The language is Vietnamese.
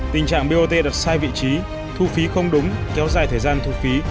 tình trạng bot đặt sai vị trí thu phí không đúng kéo dài thời gian thu phí